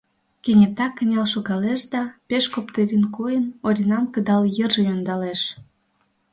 Кенета кынел шогалеш да, пеш коптырин койын, Оринам кыдал йырже ӧндалеш.